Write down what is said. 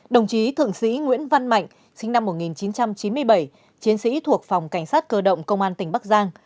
đồng chí thượng sĩ nguyễn văn mạnh sinh năm một nghìn chín trăm chín mươi bảy chiến sĩ thuộc phòng cảnh sát cơ động công an tỉnh bắc giang